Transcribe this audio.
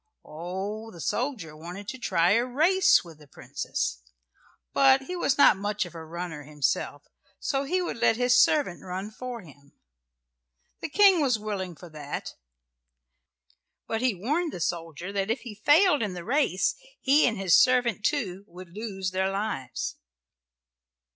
Oh, the soldier wanted to try a race with the princess; but he was not much of a runner himself, so he would let his servant run for him. The King was willing for that, but he warned the soldier that if he failed in the race he and his servant, too, would lose their lives.